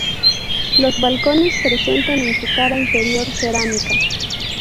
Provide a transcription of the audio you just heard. Los balcones presentan en su cara inferior cerámica.